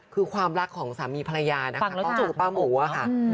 คือความรักของสามีภรรยานะคะก็คือป้าหมูอะค่ะ